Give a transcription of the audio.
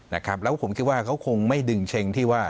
แล้วก็ผมคิดว่าเขาคงไม่ดึงเช็งที่ว่า